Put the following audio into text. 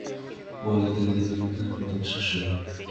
বলিতে গেলে তিনিই তাঁহার প্রথম শিষ্যা।